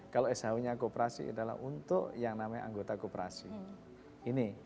kalau shu nya kooperasi adalah untuk yang namanya anggota koperasi